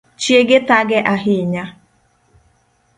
Chiege thage ahinya